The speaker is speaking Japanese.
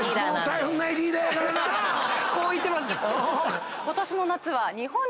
こういってました。